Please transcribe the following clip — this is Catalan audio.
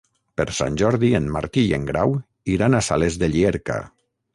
Per Sant Jordi en Martí i en Grau iran a Sales de Llierca.